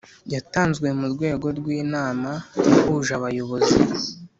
yatanzwe mu rwego rw inama yahuje abayobozi